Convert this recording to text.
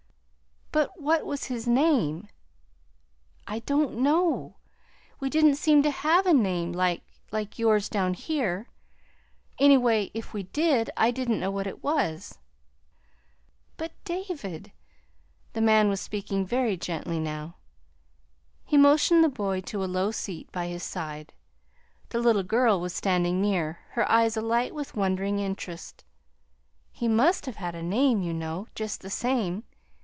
"But what was his name?" "I don't know. We didn't seem to have a name like like yours down here. Anyway, if we did, I didn't know what it was." "But, David," the man was speaking very gently now. He had motioned the boy to a low seat by his side. The little girl was standing near, her eyes alight with wondering interest. "He must have had a name, you know, just the same.